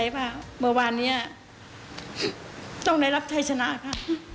วันนี้ต้องได้รับชัยชนะค่ะ